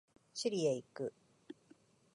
チリへ行く。